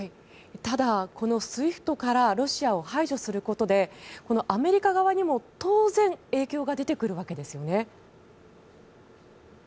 ただこのＳＷＩＦＴからロシアを排除することでアメリカ側にも当然影響が出てくるわけですよね。